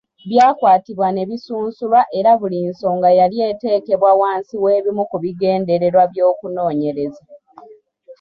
Byakwatibwa ne bisunsulwa era buli nsonga yali eteekebwa wansi w’ebimu ku bigendererwa by’okunoonyereza.